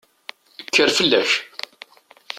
Kker fell-ak!